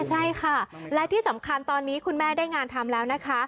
ใช่ค่ะและที่สำคัญตอนนี้คุณแม่ได้งานทำแล้วนะคะ